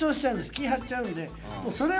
気張っちゃうんで。